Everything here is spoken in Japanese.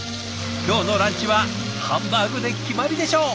今日のランチはハンバーグで決まりでしょう！